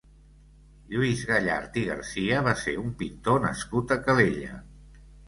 Lluís Gallart i Garcia va ser un pintor nascut a Calella.